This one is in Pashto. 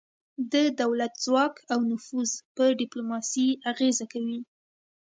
د دولت ځواک او نفوذ په ډیپلوماسي اغیزه کوي